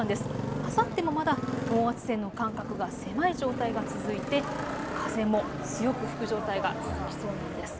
あさってもまだ等圧線の間隔が狭い状態が続いて風も強く吹く状態が続きそうなんです。